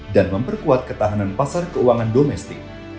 dan memperkuat ketahanan pasar keuangan domestik